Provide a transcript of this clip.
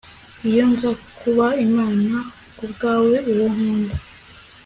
Iyo nza kuba Imana kubwawe uwo nkunda